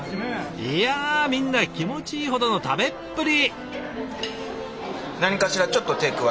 いやみんな気持ちいいほどの食べっぷり。